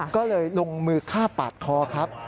ก็เลยลงมือฆ่าปาดคอครับ